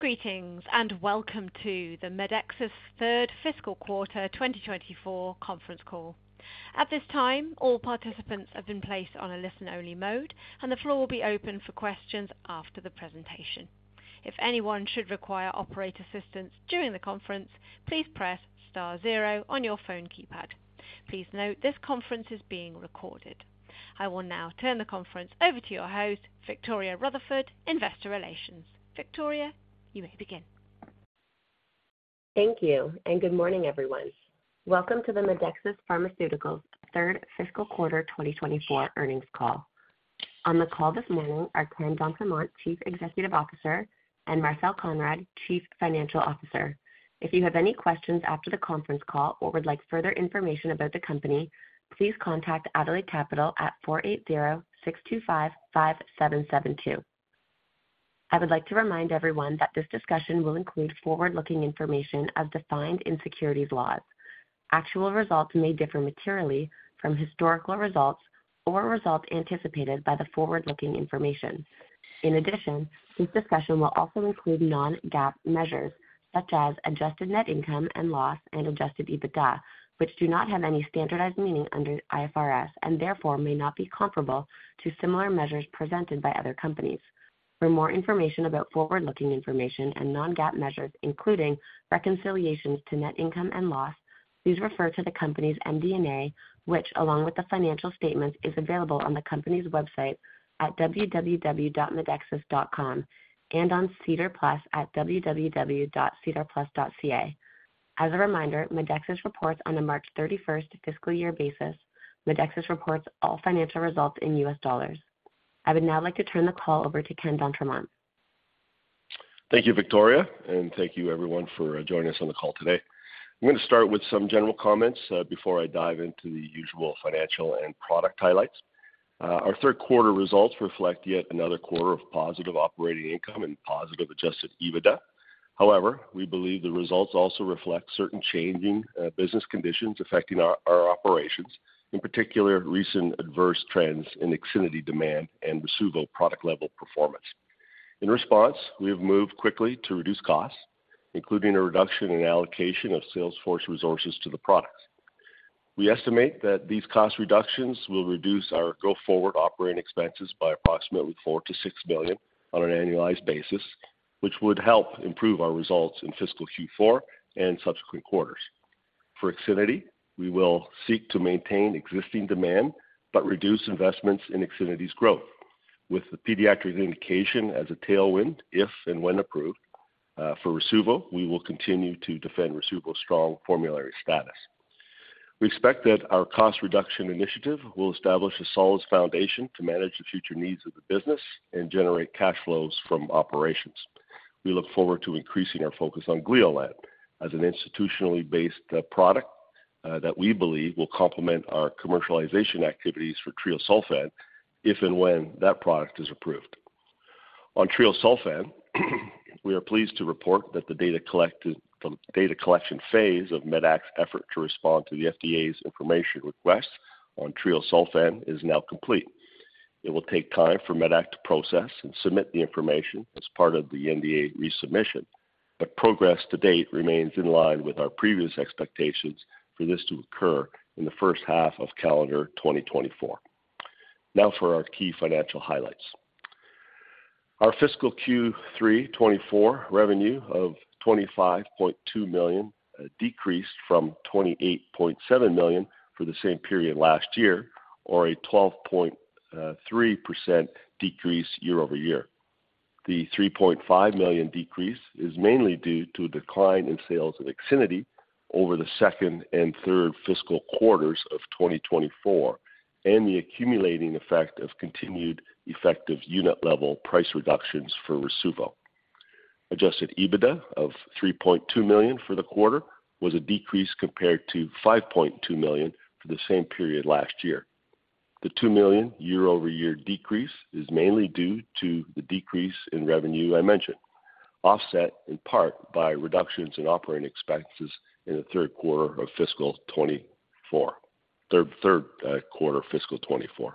Greetings, and welcome to the Medexus Third Fiscal Quarter 2024 Conference Call. At this time, all participants have been placed on a listen-only mode, and the floor will be open for questions after the presentation. If anyone should require operator assistance during the conference, please press star zero on your phone keypad. Please note, this conference is being recorded. I will now turn the conference over to your host, Victoria Rutherford, Investor Relations. Victoria, you may begin. Thank you, and good morning, everyone. Welcome to the Medexus Pharmaceuticals third fiscal quarter 2024 earnings call. On the call this morning are Ken d'Entremont, Chief Executive Officer, and Marcel Konrad, Chief Financial Officer. If you have any questions after the conference call or would like further information about the company, please contact Adelaide Capital at 480-625-5772. I would like to remind everyone that this discussion will include forward-looking information as defined in securities laws. Actual results may differ materially from historical results or results anticipated by the forward-looking information. In addition, this discussion will also include non-GAAP measures such as Adjusted net income and loss and Adjusted EBITDA, which do not have any standardized meaning under IFRS and therefore may not be comparable to similar measures presented by other companies. For more information about forward-looking information and non-GAAP measures, including reconciliations to net income and loss, please refer to the company's MD&A, which, along with the financial statements, is available on the company's website at www.medexus.com and on SEDAR+ at www.sedarplus.ca. As a reminder, Medexus reports on the March 31st fiscal year basis. Medexus reports all financial results in U.S. dollars. I would now like to turn the call over to Ken d'Entremont. Thank you, Victoria, and thank you everyone for joining us on the call today. I'm going to start with some general comments, before I dive into the usual financial and product highlights. Our third quarter results reflect yet another quarter of positive operating income and positive Adjusted EBITDA. However, we believe the results also reflect certain changing, business conditions affecting our, our operations, in particular, recent adverse trends in IXINITY demand and Rasuvo product-level performance. In response, we have moved quickly to reduce costs, including a reduction in allocation of salesforce resources to the products. We estimate that these cost reductions will reduce our go-forward operating expenses by approximately $4 million-$6 million on an annualized basis, which would help improve our results in fiscal Q4 and subsequent quarters. For IXINITY, we will seek to maintain existing demand but reduce investments in IXINITY's growth, with the pediatric indication as a tailwind, if and when approved. For Rasuvo, we will continue to defend Rasuvo's strong formulary status. We expect that our cost reduction initiative will establish a solid foundation to manage the future needs of the business and generate cash flows from operations. We look forward to increasing our focus on Gleolan as an institutionally based product that we believe will complement our commercialization activities for treosulfan, if and when that product is approved. On treosulfan, we are pleased to report that the data collection phase of Medac's effort to respond to the FDA's information request on treosulfan is now complete. It will take time for Medexus to process and submit the information as part of the NDA resubmission, but progress to date remains in line with our previous expectations for this to occur in the first half of calendar 2024. Now for our key financial highlights. Our fiscal Q3 2024 revenue of $25.2 million decreased from $28.7 million for the same period last year, or a 12.3% decrease YoY. The $3.5 million decrease is mainly due to a decline in sales of IXINITY over the second and third fiscal quarters of 2024 and the accumulating effect of continued effective unit-level price reductions for Rasuvo. Adjusted EBITDA of $3.2 million for the quarter was a decrease compared to $5.2 million for the same period last year. The $2 million YoY decrease is mainly due to the decrease in revenue I mentioned, offset in part by reductions in operating expenses in the third quarter of fiscal 2024.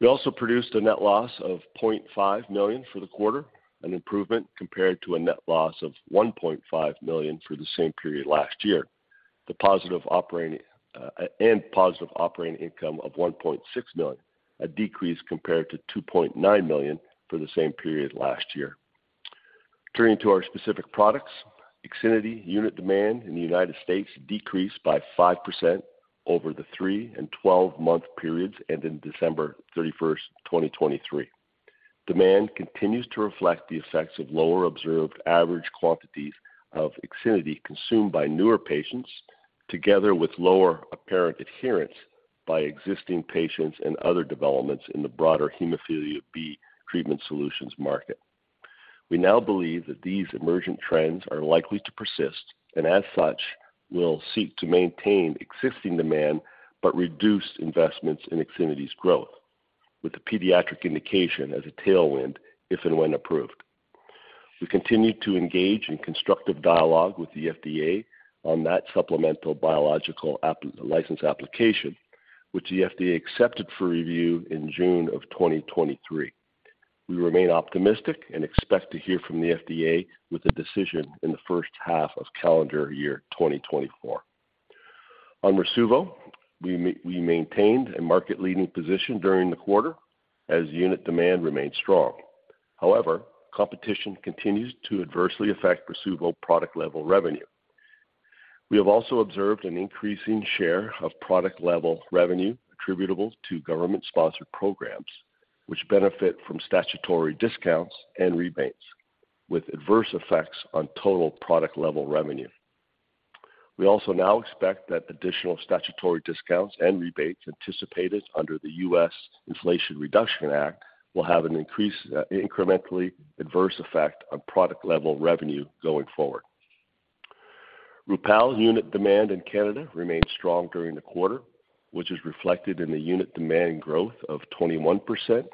We also produced a net loss of $0.5 million for the quarter, an improvement compared to a net loss of $1.5 million for the same period last year. The positive operating income of $1.6 million, a decrease compared to $2.9 million for the same period last year. Turning to our specific products, IXINITY unit demand in the United States decreased by 5% over the three- and twelve-month periods, ending December 31st, 2023. Demand continues to reflect the effects of lower observed average quantities of IXINITY consumed by newer patients, together with lower apparent adherence by existing patients and other developments in the broader hemophilia B treatment solutions market. We now believe that these emergent trends are likely to persist, and as such, will seek to maintain existing demand but reduce investments in IXINITY's growth with the pediatric indication as a tailwind, if and when approved. We continue to engage in constructive dialogue with the FDA on that supplemental Biologics License Application, which the FDA accepted for review in June 2023. We remain optimistic and expect to hear from the FDA with a decision in the first half of calendar year 2024. On Rasuvo, we maintained a market-leading position during the quarter as unit demand remained strong. However, competition continues to adversely affect Rasuvo product level revenue. We have also observed an increasing share of product-level revenue attributable to government-sponsored programs, which benefit from statutory discounts and rebates, with adverse effects on total product-level revenue. We also now expect that additional statutory discounts and rebates anticipated under the U.S. Inflation Reduction Act will have an increased, incrementally adverse effect on product-level revenue going forward. Rupall unit demand in Canada remained strong during the quarter, which is reflected in the unit demand growth of 21%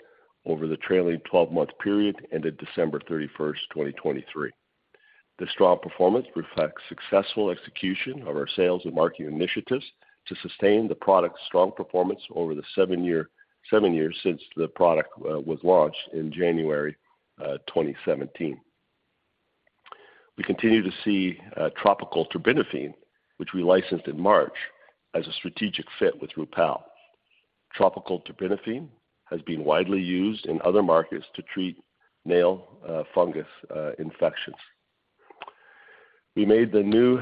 over the trailing twelve-month period, ended December 31st, 2023. This strong performance reflects successful execution of our sales and marketing initiatives to sustain the product's strong performance over the seven year, seven years since the product was launched in January 2017. We continue to see topical terbinafine, which we licensed in March, as a strategic fit with Rupall. Topical terbinafine has been widely used in other markets to treat nail fungus infections. We made a new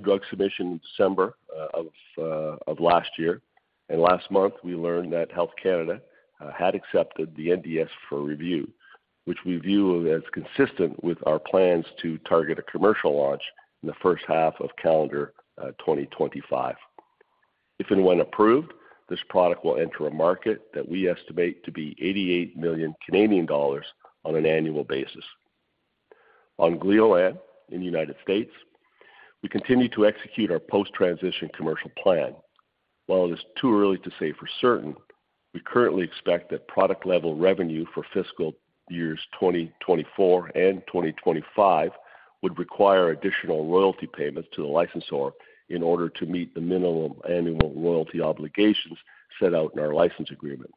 drug submission in December of last year, and last month we learned that Health Canada had accepted the NDS for review, which we view as consistent with our plans to target a commercial launch in the first half of calendar 2025. If and when approved, this product will enter a market that we estimate to be 88 million Canadian dollars on an annual basis. On Gleolan in the United States, we continue to execute our post-transition commercial plan. While it is too early to say for certain, we currently expect that product-level revenue for fiscal years 2024 and 2025 would require additional royalty payments to the licensor in order to meet the minimum annual royalty obligations set out in our license agreement.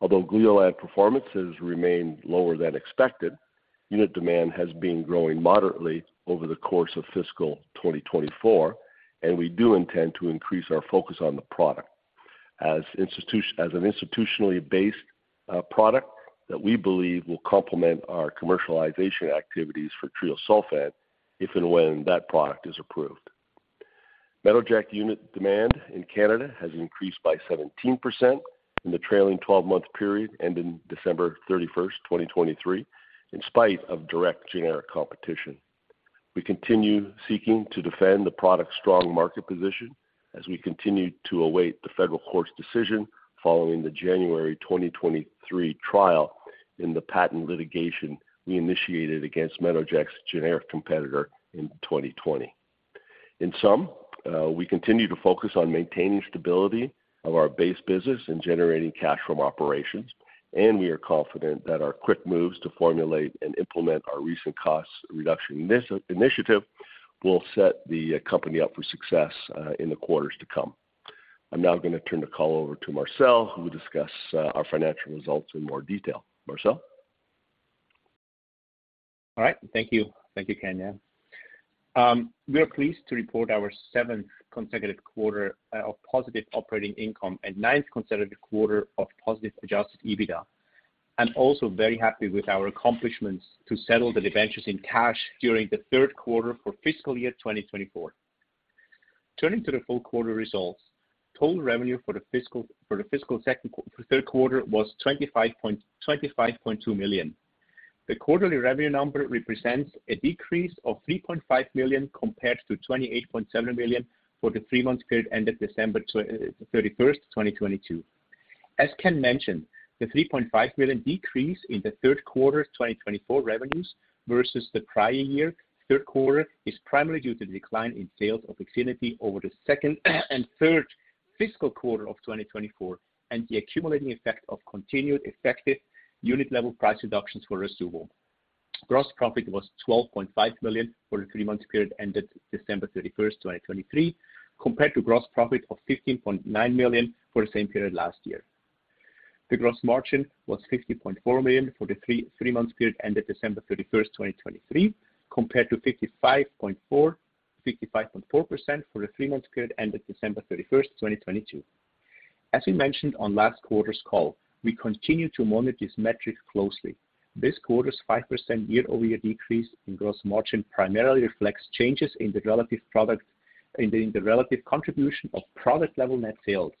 Although Gleolan performance has remained lower than expected, unit demand has been growing moderately over the course of fiscal 2024, and we do intend to increase our focus on the product as an institutionally based product that we believe will complement our commercialization activities for treosulfan, if and when that product is approved. Metoject unit demand in Canada has increased by 17% in the trailing twelve-month period, ending December 31st, 2023, in spite of direct generic competition. We continue seeking to defend the product's strong market position as we continue to await the Federal Court's decision following the January 2023 trial in the patent litigation we initiated against Metoject's generic competitor in 2020. In sum, we continue to focus on maintaining stability of our base business and generating cash from operations, and we are confident that our quick moves to formulate and implement our recent cost reduction initiative will set the company up for success in the quarters to come. I'm now going to turn the call over to Marcel, who will discuss our financial results in more detail. Marcel? All right. Thank you. Thank you, Ken, yeah. We are pleased to report our seventh consecutive quarter of positive operating income and ninth consecutive quarter of positive Adjusted EBITDA. I'm also very happy with our accomplishments to settle the debentures in cash during the third quarter for fiscal year 2024. Turning to the full quarter results, total revenue for the fiscal third quarter was $25.2 million. The quarterly revenue number represents a decrease of $3.5 million compared to $28.7 million for the three-month period ended December 31st, 2022. As Ken mentioned, the $3.5 million decrease in the third quarter of 2024 revenues versus the prior year third quarter is primarily due to the decline in sales of IXINITY over the second and third fiscal quarters of 2024, and the accumulating effect of continued effective unit-level price reductions for Rasuvo. Gross profit was $12.5 million for the three-month period ended December 31st, 2023, compared to gross profit of $15.9 million for the same period last year. The gross margin was 50.4% for the three-month period ended December 31st, 2023, compared to 55.4%, 55.4% for the three-month period ended December 31st, 2022. As we mentioned on last quarter's call, we continue to monitor this metric closely. This quarter's 5% YoY decrease in gross margin primarily reflects changes in the relative product, the relative contribution of product-level net sales.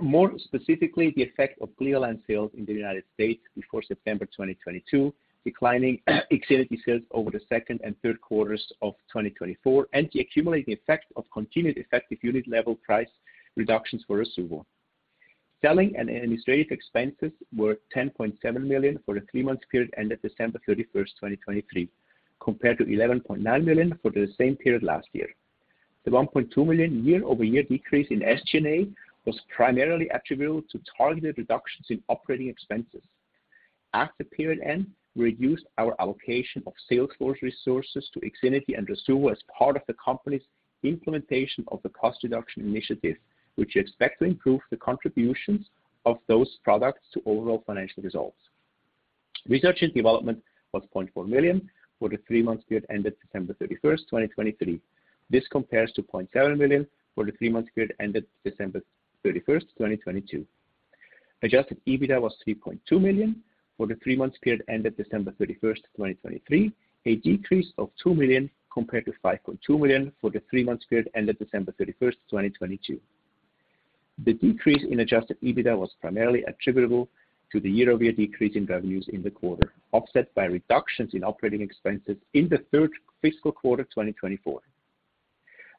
More specifically, the effect of Gleolan sales in the United States before September 2022, declining IXINITY sales over the second and third quarters of 2024, and the accumulating effect of continued effective unit-level price reductions for Rasuvo. Selling and administrative expenses were $10.7 million for the three-month period ended December 31st, 2023, compared to $11.9 million for the same period last year. The $1.2 million YoY decrease in SG&A was primarily attributable to targeted reductions in operating expenses. At the period end, we reduced our allocation of sales force resources to IXINITY and Rasuvo as part of the company's implementation of the cost reduction initiative, which we expect to improve the contributions of those products to overall financial results. Research and development was $0.4 million for the three-month period ended December 31st, 2023. This compares to $0.7 million for the three-month period ended December 31st, 2022. Adjusted EBITDA was $3.2 million for the three-month period ended December 31st, 2023, a decrease of $2 million compared to $5.2 million for the three-month period ended December 31st, 2022. The decrease in Adjusted EBITDA was primarily attributable to the YoY decrease in revenues in the quarter, offset by reductions in operating expenses in the third fiscal quarter, 2024.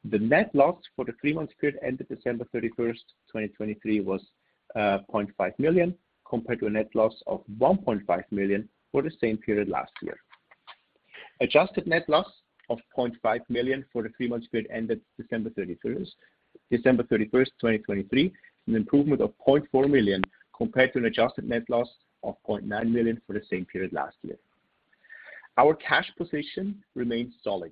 The net loss for the 3-month period ended December 31st, 2023, was $0.5 million, compared to a net loss of $1.5 million for the same period last year. Adjusted net loss of $0.5 million for the 3-month period ended December 31st, 2023, an improvement of $0.4 million compared to an Adjusted net loss of $0.9 million for the same period last year. Our cash position remains solid,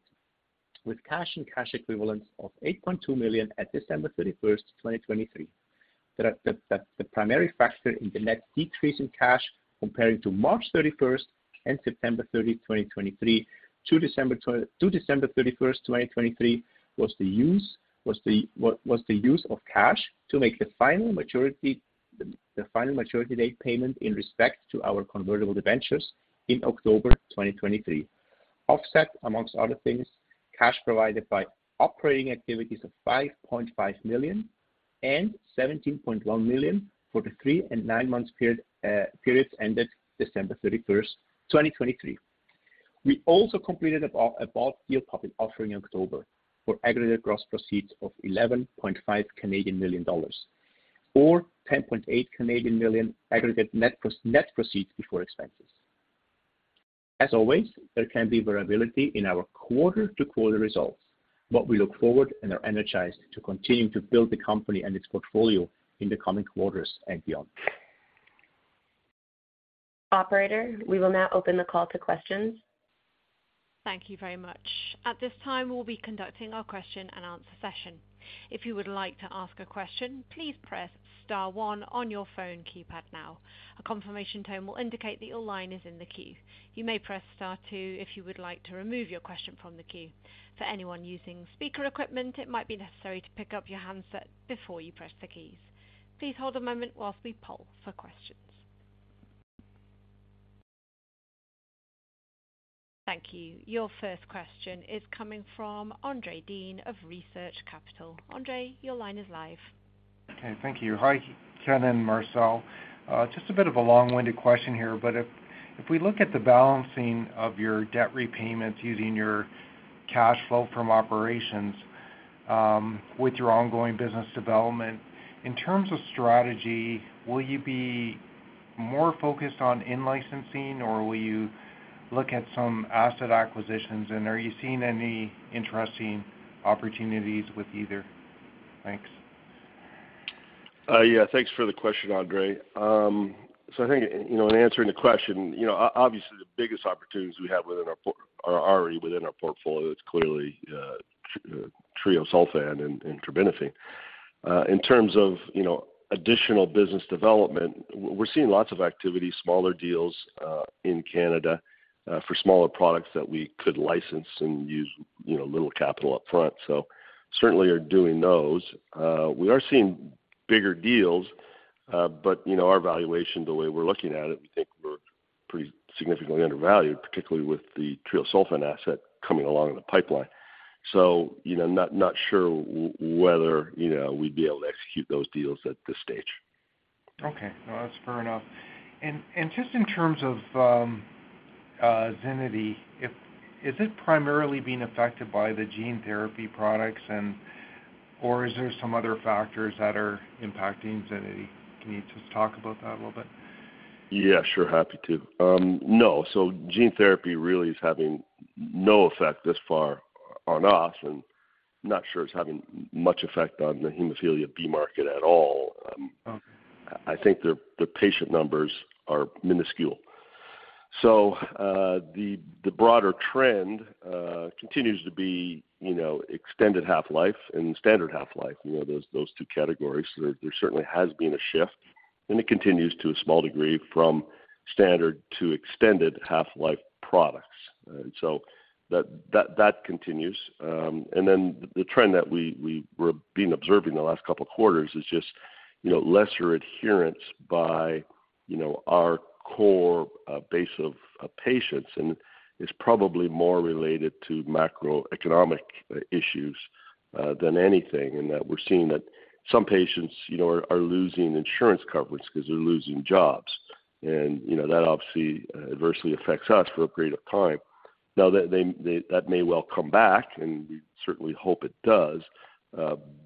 with cash and cash equivalents of $8.2 million at December 31st, 2023. The primary factor in the net decrease in cash comparing to March 31st and September 30th, 2023, to December 31st, 2023, was the use of cash to make the final maturity date payment in respect to our convertible debentures in October 2023. Among other things, cash provided by operating activities of $5.5 million and $17.1 million for the three- and nine-month periods ended December 31st, 2023. We also completed a bought deal public offering in October for aggregate gross proceeds of 11.5 million dollars, or 10.8 million aggregate net proceeds before expenses. As always, there can be variability in our quarter-to-quarter results, but we look forward and are energized to continue to build the company and its portfolio in the coming quarters and beyond. Operator, we will now open the call to questions. Thank you very much. At this time, we'll be conducting our question-and-answer session. If you would like to ask a question, please press star one on your phone keypad now. A confirmation tone will indicate that your line is in the queue. You may press star two if you would like to remove your question from the queue. For anyone using speaker equipment, it might be necessary to pick up your handset before you press the keys. Please hold a moment while we poll for questions. Thank you. Your first question is coming from André Uddin of Research Capital. André, your line is live. Okay, thank you. Hi, Ken and Marcel. Just a bit of a long-winded question here, but if, if we look at the balancing of your debt repayments using your cash flow from operations, with your ongoing business development, in terms of strategy, will you be more focused on in-licensing, or will you look at some asset acquisitions, and are you seeing any interesting opportunities with either? Thanks. Yeah, thanks for the question, André. So I think, you know, in answering the question, you know, obviously, the biggest opportunities we have within our are already within our portfolio, it's clearly, treosulfan and, and terbinafine. In terms of, you know, additional business development, we're seeing lots of activity, smaller deals, in Canada, for smaller products that we could license and use, you know, little capital up front. So certainly are doing those. We are seeing bigger deals, but you know, our valuation, the way we're looking at it, we think we're pretty significantly undervalued, particularly with the treosulfan asset coming along in the pipeline. So, you know, not, not sure whether, you know, we'd be able to execute those deals at this stage. Okay, well, that's fair enough. And just in terms of IXINITY, if it is primarily being affected by the gene therapy products, and or is there some other factors that are impacting IXINITY? Can you just talk about that a little bit? Yeah, sure. Happy to. No. So gene therapy really is having no effect thus far on us, and not sure it's having much effect on the hemophilia B market at all. Okay. I think the patient numbers are minuscule. So, the broader trend continues to be, you know, extended half-life and standard half-life. You know, those two categories. There certainly has been a shift, and it continues to a small degree from standard to extended half-life products. So that continues. And then the trend that we were being observing the last couple of quarters is just, you know, lesser adherence by, you know, our core base of patients, and it's probably more related to macroeconomic issues than anything. In that we're seeing that some patients, you know, are losing insurance coverage because they're losing jobs. And, you know, that obviously adversely affects us for a period of time. Now, that they... that may well come back, and we certainly hope it does,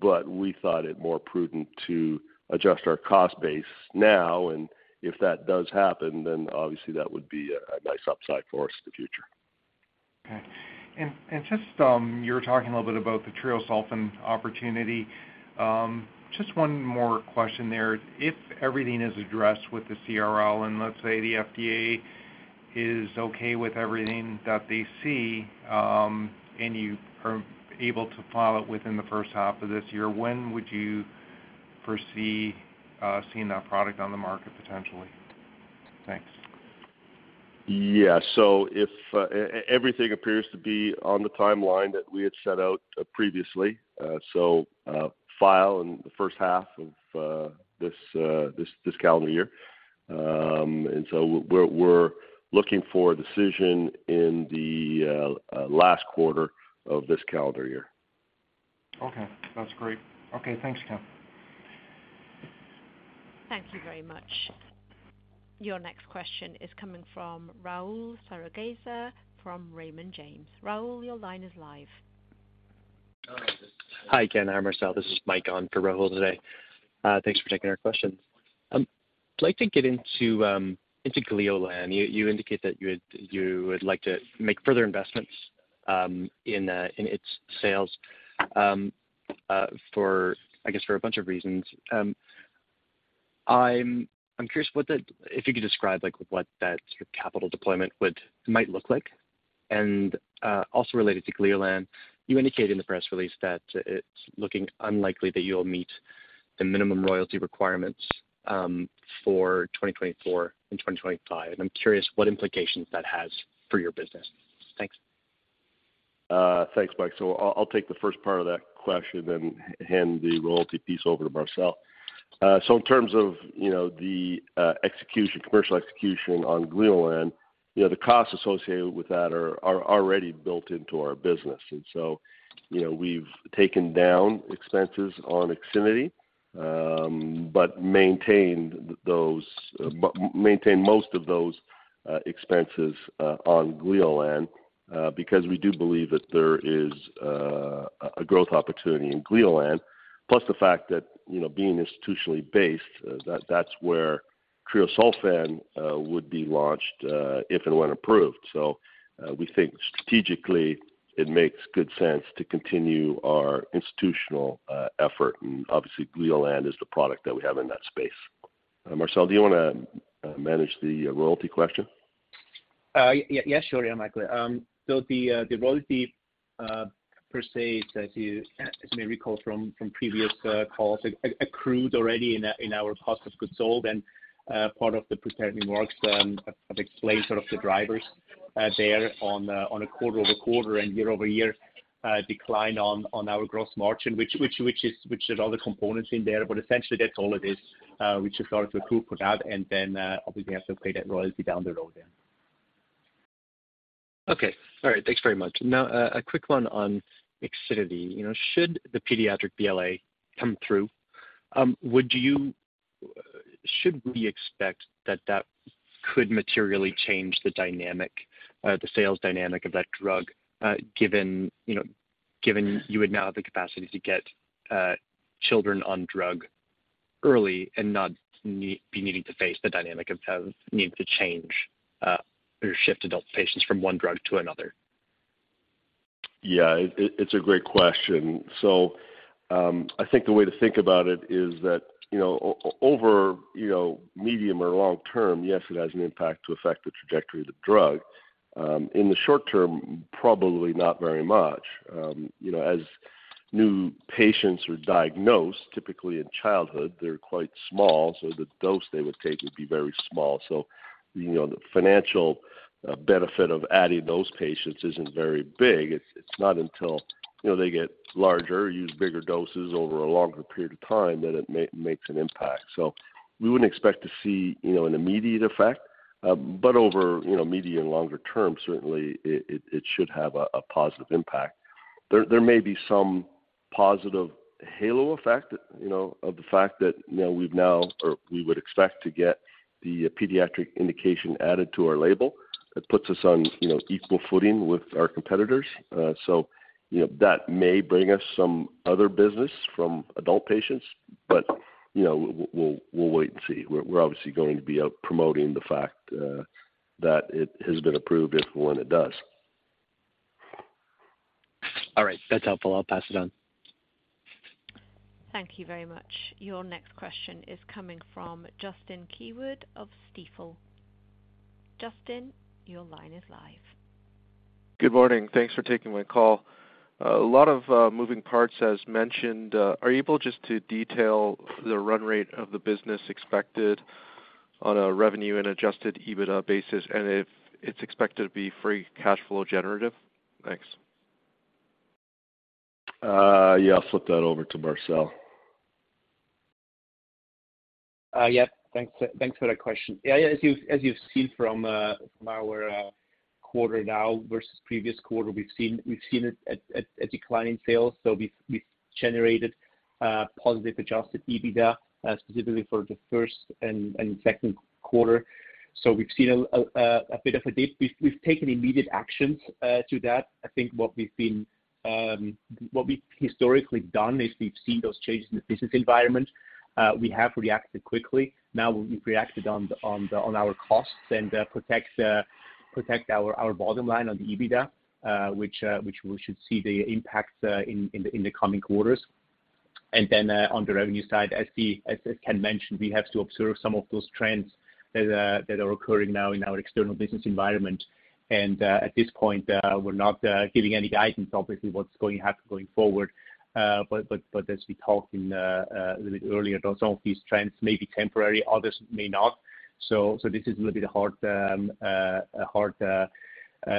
but we thought it more prudent to adjust our cost base now, and if that does happen, then obviously that would be a nice upside for us in the future.... Okay. And just, you were talking a little bit about the treosulfan opportunity. Just one more question there. If everything is addressed with the CRL, and let's say the FDA is okay with everything that they see, and you are able to file it within the first half of this year, when would you foresee seeing that product on the market potentially? Thanks. Yeah. So if everything appears to be on the timeline that we had set out previously, so, file in the first half of this calendar year. And so we're looking for a decision in the last quarter of this calendar year. Okay, that's great. Okay, thanks, Ken. Thank you very much. Your next question is coming from Rahul Sarugaser from Raymond James. Rahul, your line is live. Hi, Ken, hi, Marcel. This is Mike on for Rahul today. Thanks for taking our question. I'd like to get into Gleolan. You indicate that you would like to make further investments in its sales for a bunch of reasons. I'm curious what that... If you could describe what that sort of capital deployment might look like? And also related to Gleolan, you indicated in the press release that it's looking unlikely that you'll meet the minimum royalty requirements for 2024 and 2025. I'm curious what implications that has for your business. Thanks. Thanks, Mike. So I'll take the first part of that question and hand the royalty piece over to Marcel. So in terms of, you know, the execution, commercial execution on Gleolan, you know, the costs associated with that are already built into our business. And so, you know, we've taken down expenses on IXINITY, but maintained those, but maintained most of those expenses on Gleolan, because we do believe that there is a growth opportunity in Gleolan, plus the fact that, you know, being institutionally based, that's where treosulfan would be launched, if and when approved. So we think strategically, it makes good sense to continue our institutional effort, and obviously, Gleolan is the product that we have in that space. Marcel, do you wanna manage the royalty question? Yes, sure, Mike. So the royalty per se, as you may recall from previous calls, accrued already in our cost of goods sold and part of the predetermined works. I've explained sort of the drivers there on a QoQ and YoY decline on our gross margin, which there are other components in there, but essentially, that's all it is, which is sort of accrue for that, and then obviously have to pay that royalty down the road then. Okay. All right. Thanks very much. Now, a quick one on IXINITY. You know, should the pediatric BLA come through, should we expect that that could materially change the dynamic, the sales dynamic of that drug, given, you know, given you would now have the capacity to get children on drug early and not be needing to face the dynamic of needing to change or shift adult patients from one drug to another? Yeah, it's a great question. So, I think the way to think about it is that, you know, over, you know, medium or long term, yes, it has an impact to affect the trajectory of the drug. In the short term, probably not very much. You know, as new patients are diagnosed, typically in childhood, they're quite small, so the dose they would take would be very small. So, you know, the financial benefit of adding those patients isn't very big. It's not until, you know, they get larger, use bigger doses over a longer period of time, that it makes an impact. So we wouldn't expect to see, you know, an immediate effect, but over, you know, medium and longer term, certainly it should have a positive impact. There may be some positive halo effect, you know, of the fact that, you know, we've now, or we would expect to get the pediatric indication added to our label. That puts us on, you know, equal footing with our competitors. So, you know, that may bring us some other business from adult patients, but, you know, we'll wait and see. We're obviously going to be out promoting the fact that it has been approved if and when it does. All right. That's helpful. I'll pass it on. Thank you very much. Your next question is coming from Justin Keywood of Stifel. Justin, your line is live. Good morning. Thanks for taking my call. A lot of moving parts, as mentioned. Are you able just to detail the run rate of the business expected on a revenue and Adjusted EBITDA basis, and if it's expected to be free cash flow generative? Thanks. Yeah, I'll flip that over to Marcel. Yeah, thanks. Thanks for that question. Yeah, yeah, as you, as you've seen from, from our, quarter now versus previous quarter, we've seen a decline in sales. So we've generated positive Adjusted EBITDA, specifically for the first and second quarter. So we've seen a bit of a dip. We've taken immediate actions to that. I think what we've been, what we've historically done is we've seen those changes in the business environment. We have reacted quickly. Now, we've reacted on our costs and protect our bottom line on the EBITDA, which we should see the impacts in the coming quarters. Then, on the revenue side, as Ken mentioned, we have to observe some of those trends that are occurring now in our external business environment. At this point, we're not giving any guidance, obviously, what's going to happen going forward. But as we talked a little bit earlier, some of these trends may be temporary, others may not. This is a little bit hard, a hard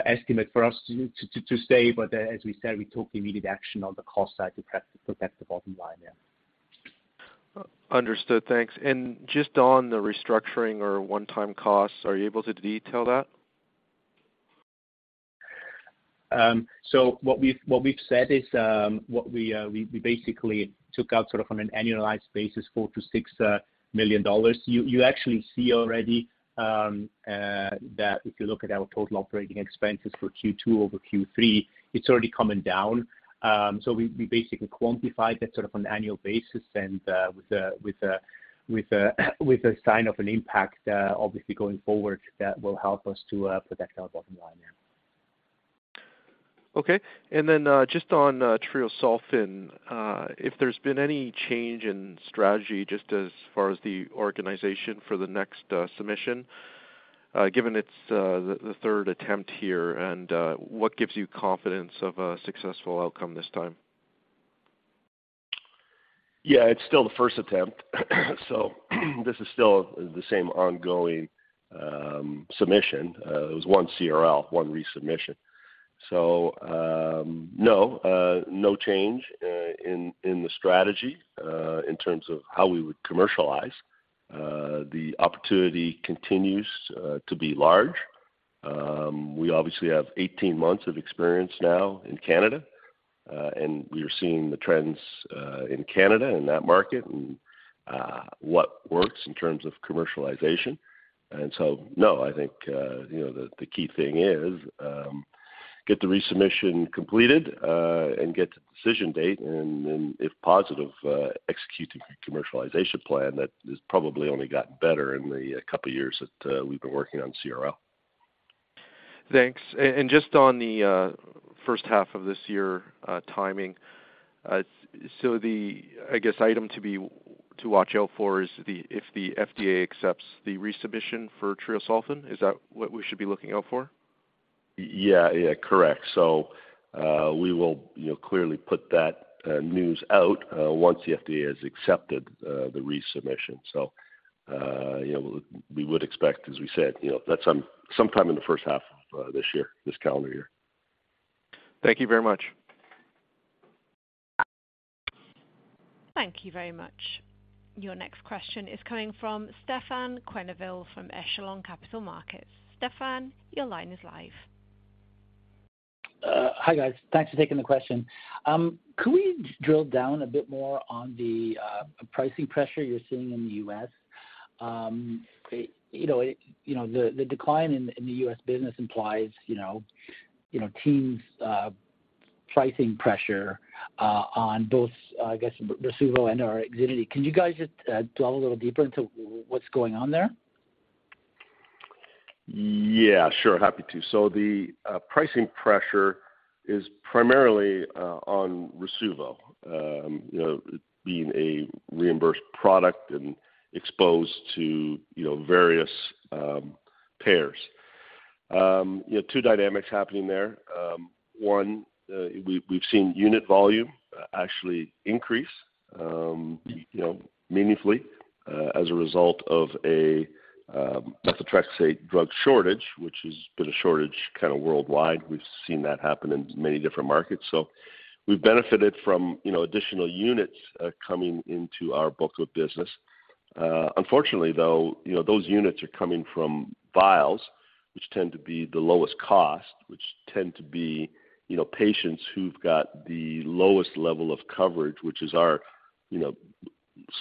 estimate for us to say, but as we said, we took immediate action on the cost side to protect the bottom line, yeah. Understood. Thanks. Just on the restructuring or one-time costs, are you able to detail that? So what we've said is, what we basically took out, sort of on an annualized basis, $4 million-$6 million. You actually see already that if you look at our total operating expenses for Q2 over Q3, it's already coming down. So we basically quantified that sort of on an annual basis and, with a sign of an impact, obviously, going forward, that will help us to protect our bottom line, yeah. Okay. And then, just on treosulfan, if there's been any change in strategy, just as far as the organization for the next submission, given it's the third attempt here, and what gives you confidence of a successful outcome this time? Yeah, it's still the first attempt. So this is still the same ongoing submission. It was one CRL, one resubmission. So, no, no change in the strategy in terms of how we would commercialize. The opportunity continues to be large. We obviously have 18 months of experience now in Canada, and we are seeing the trends in Canada, in that market and what works in terms of commercialization. And so, no, I think, you know, the key thing is get the resubmission completed, and get the decision date, and then if positive, execute the commercialization plan, that has probably only gotten better in the couple of years that we've been working on CRL. Thanks. And just on the first half of this year, timing, so the, I guess, item to watch out for is if the FDA accepts the resubmission for treosulfan, is that what we should be looking out for? Yeah, yeah, correct. So, we will, you know, clearly put that news out once the FDA has accepted the resubmission. So, you know, we would expect, as we said, you know, that's sometime in the first half of this year, this calendar year. Thank you very much. Thank you very much. Your next question is coming from Stefan Quenneville, from Echelon Capital Markets. Stefan, your line is live. Hi, guys. Thanks for taking the question. Could we just drill down a bit more on the pricing pressure you're seeing in the US? You know, it, you know, the decline in the US business implies, you know, you know, pricing pressure on both, I guess, Rasuvo and or IXINITY. Can you guys just delve a little deeper into what's going on there? Yeah, sure. Happy to. So the pricing pressure is primarily on Rasuvo, you know, it being a reimbursed product and exposed to, you know, various PBMs. You know, two dynamics happening there. One, we've seen unit volume actually increase, you know, meaningfully, as a result of a methotrexate drug shortage, which has been a shortage kinda worldwide. We've seen that happen in many different markets. So we've benefited from, you know, additional units coming into our book of business. Unfortunately, though, you know, those units are coming from vials, which tend to be the lowest cost, which tend to be, you know, patients who've got the lowest level of coverage, which is our, you know,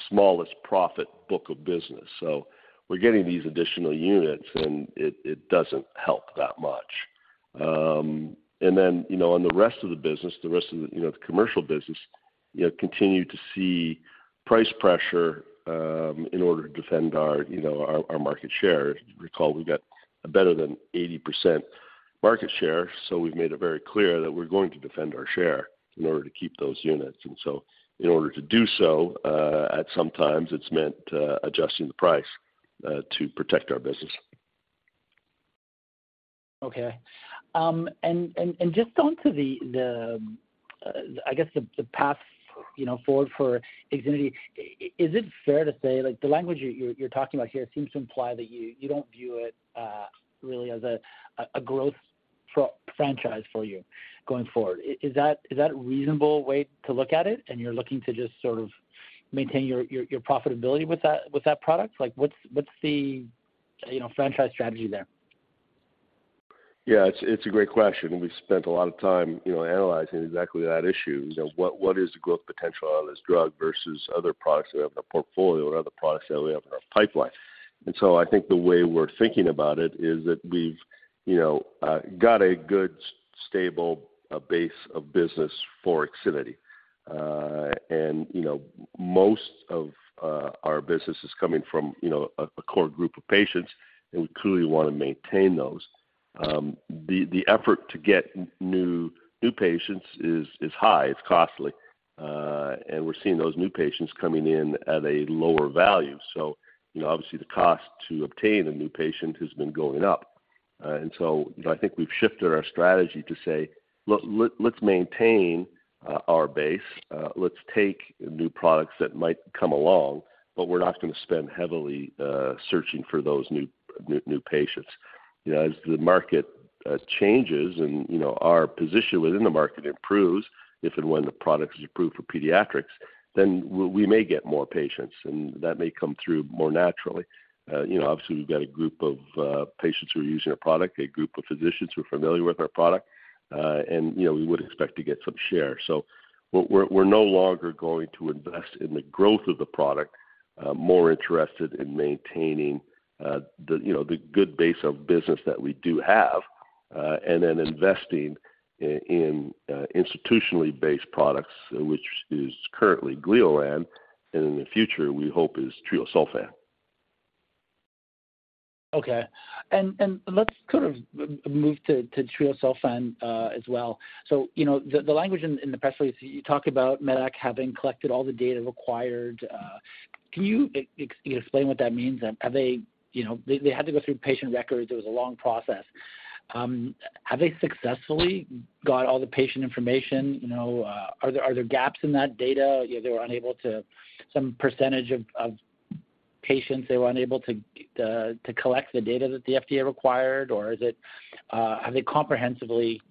smallest profit book of business. So we're getting these additional units, and it doesn't help that much. And then, you know, on the rest of the business, the rest of the, you know, the commercial business, you know, continue to see price pressure, in order to defend our, you know, our, our market share. If you recall, we got a better than 80% market share, so we've made it very clear that we're going to defend our share in order to keep those units. And so in order to do so, at some times it's meant adjusting the price to protect our business. Okay. And just onto the, I guess, the path, you know, forward for IXINITY, is it fair to say, like the language you're talking about here seems to imply that you don't view it really as a growth product franchise for you going forward. Is that a reasonable way to look at it, and you're looking to just sort of maintain your profitability with that product? Like, what's the, you know, franchise strategy there? Yeah, it's a great question, and we've spent a lot of time, you know, analyzing exactly that issue. You know, what is the growth potential on this drug versus other products that we have in our portfolio and other products that we have in our pipeline? And so I think the way we're thinking about it is that we've, you know, got a good, stable base of business for IXINITY. And, you know, most of our business is coming from, you know, a core group of patients, and we clearly want to maintain those. The effort to get new patients is high, it's costly. And we're seeing those new patients coming in at a lower value. So, you know, obviously, the cost to obtain a new patient has been going up. And so I think we've shifted our strategy to say, "Look, let's maintain our base. Let's take new products that might come along, but we're not going to spend heavily searching for those new patients." You know, as the market changes and, you know, our position within the market improves, if and when the product is approved for pediatrics, then we may get more patients, and that may come through more naturally. You know, obviously, we've got a group of patients who are using our product, a group of physicians who are familiar with our product, and, you know, we would expect to get some share. So we're no longer going to invest in the growth of the product, more interested in maintaining, you know, the good base of business that we do have, and then investing in institutionally based products, which is currently Gleolan, and in the future, we hope is treosulfan. Okay. And let's kind of move to treosulfan as well. So, you know, the language in the press release, you talk about Medac having collected all the data required. Can you explain what that means? Have they... You know, they had to go through patient records. It was a long process. Have they successfully got all the patient information? You know, are there gaps in that data? They were unable to—some percentage of patients, they were unable to collect the data that the FDA required, or is it, have they comprehensively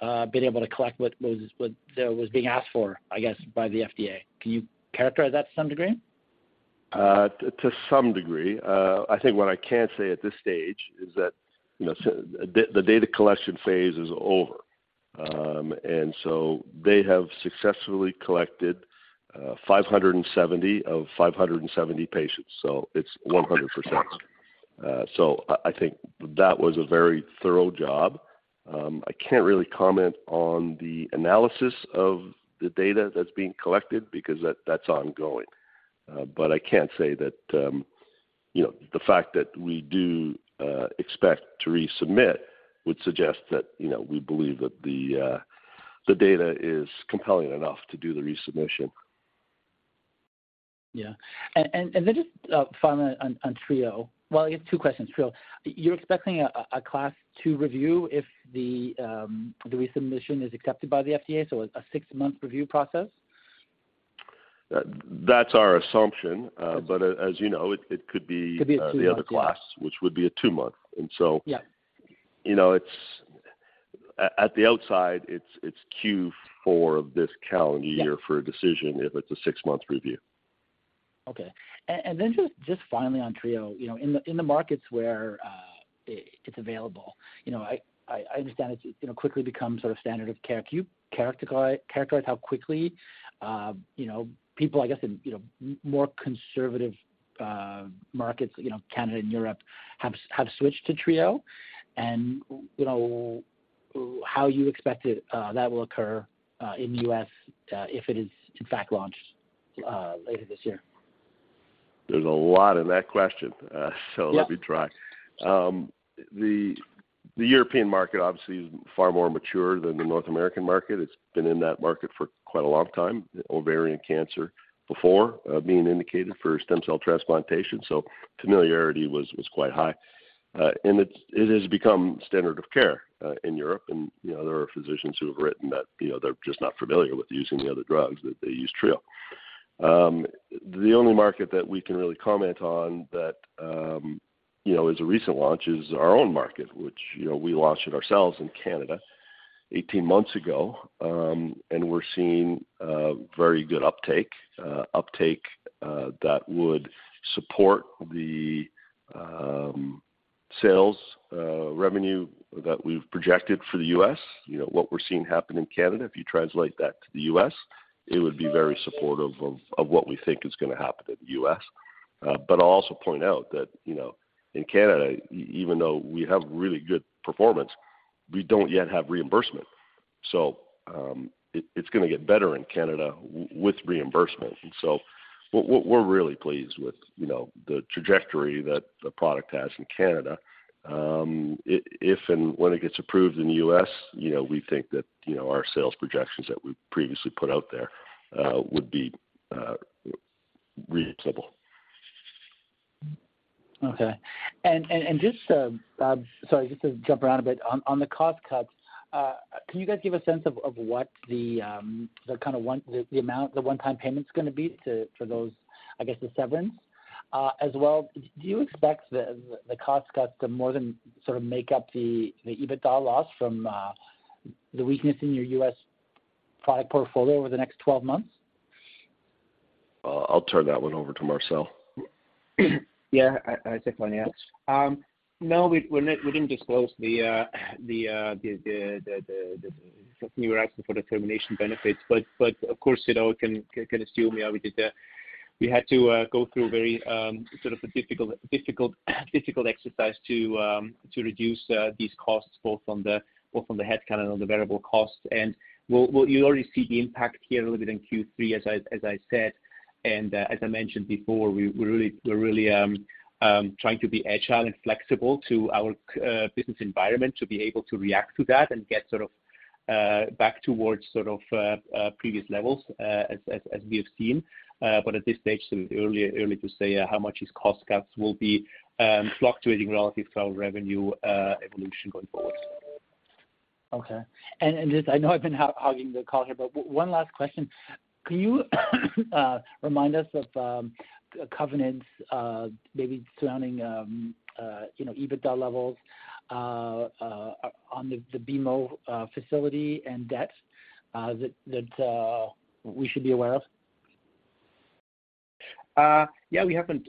been able to collect what was being asked for, I guess, by the FDA? Can you characterize that to some degree? To some degree. I think what I can say at this stage is that, you know, so the data collection phase is over. And so they have successfully collected 570 of 570 patients, so it's 100%. So I think that was a very thorough job. I can't really comment on the analysis of the data that's being collected because that's ongoing. But I can't say that, you know, the fact that we do expect to resubmit would suggest that, you know, we believe that the data is compelling enough to do the resubmission. Yeah. And then just finally on Treo. Well, I guess two questions, Treo. You're expecting a Class 2 review if the resubmission is accepted by the FDA, so a six-month review process? That's our assumption, but as you know, it could be- Could be a 2 months. The other class, which would be a 2-month. And so- Yeah. You know, it's at the outside, it's Q4 of this calendar year- Yeah... for a decision, if it's a six-month review. Okay. And then just finally on Treo. You know, in the markets where it is available, you know, I understand it, you know, quickly becomes sort of standard of care. Can you characterize how quickly, you know, people, I guess in, you know, more conservative markets, you know, Canada and Europe, have switched to Treo? And, you know, how you expect that will occur in the U.S., if it is, in fact, launched later this year? There's a lot in that question, so let me try. Yeah. The European market obviously is far more mature than the North American market. It's been in that market for quite a long time, ovarian cancer before being indicated for stem cell transplantation, so familiarity was quite high. And it has become standard of care in Europe, and you know, there are physicians who have written that you know, they're just not familiar with using the other drugs, that they use Treo. The only market that we can really comment on that you know is a recent launch is our own market, which you know we launched it ourselves in Canada 18 months ago. And we're seeing very good uptake. Uptake that would support the sales revenue that we've projected for the U.S. You know, what we're seeing happen in Canada, if you translate that to the U.S., it would be very supportive of what we think is going to happen in the US. But I'll also point out that, you know, in Canada, even though we have really good performance, we don't yet have reimbursement. So, it's going to get better in Canada with reimbursement. And so we're really pleased with, you know, the trajectory that the product has in Canada. If and when it gets approved in the U.S., you know, we think that, you know, our sales projections that we previously put out there would be reachable. Okay. Sorry, just to jump around a bit. On the cost cuts, can you guys give a sense of what the kind of one-time payment's going to be to for those, I guess, the severance? As well, do you expect the cost cuts to more than sort of make up the EBITDA loss from the weakness in your U.S. product portfolio over the next 12 months? I'll turn that one over to Marcel. Yeah, I take finance. No, we, we're not-- we didn't disclose the, you were asking for the termination benefits, but, but of course, you know, can, c-can assume we are, we did, we had to go through a very, sort of a difficult, difficult, difficult exercise to, to reduce, these costs, both from the, both from the headcount and on the variable costs. And we'll, we'll you already see the impact here a little bit in Q3, as I, as I said, and, as I mentioned before, we, we're really, we're really, trying to be agile and flexible to our, business environment, to be able to react to that and get sort of, previous levels, as, as, as we have seen. But at this stage, it's early, early to say how much these cost cuts will be fluctuating relative to our revenue evolution going forward. Okay. And just I know I've been hogging the call here, but one last question: Can you remind us of covenants, maybe surrounding, you know, EBITDA levels on the BMO facility and debt that we should be aware of? Yeah, we haven't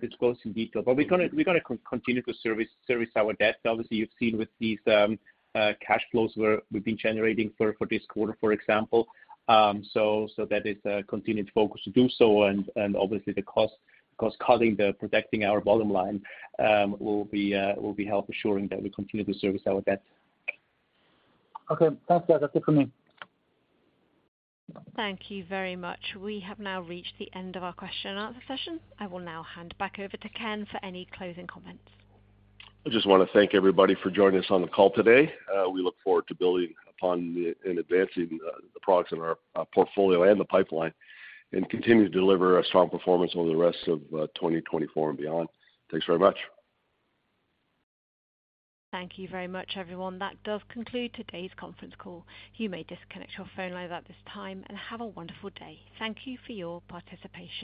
disclosed in detail, but we're gonna continue to service our debt. Obviously, you've seen with these cash flows we've been generating for this quarter, for example. So that is a continued focus to do so, and obviously, the cost cutting, the protecting our bottom line, will help assuring that we continue to service our debt. Okay. Thanks, guys. That's it for me. Thank you very much. We have now reached the end of our question and answer session. I will now hand back over to Ken for any closing comments. I just want to thank everybody for joining us on the call today. We look forward to building upon and advancing the products in our portfolio and the pipeline, and continue to deliver a strong performance over the rest of 2024 and beyond. Thanks very much. Thank you very much, everyone. That does conclude today's conference call. You may disconnect your phone lines at this time, and have a wonderful day. Thank you for your participation.